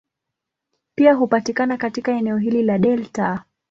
Pia hupatikana katika eneo hili la delta.